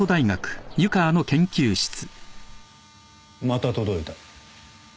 また届いた。